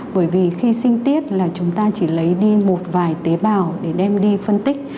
bởi vì khi sinh tiếc là chúng ta chỉ lấy đi một vài tế bào để đem đi phân tích